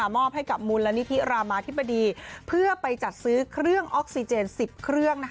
มอบให้กับมูลนิธิรามาธิบดีเพื่อไปจัดซื้อเครื่องออกซิเจน๑๐เครื่อง